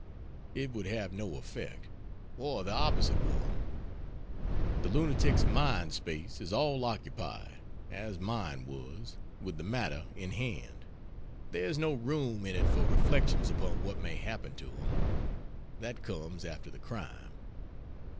It would have no effect or the opposite one. The lunatic's mind space is all occupied as mine was with the matter in hand; there is no room in it for reflections upon what may happen to him. That comes after the crime.